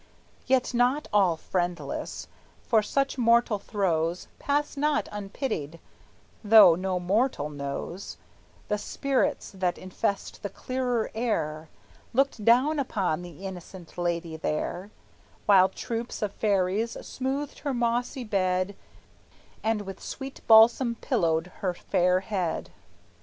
Yet not all friendless, for such mortal throes Pass not unpitied, though no mortal knows; The spirits that infest the clearer air Looked down upon the innocent lady there, While troops of fairies smoothed her mossy bed And with sweet balsam pillowed her fair head.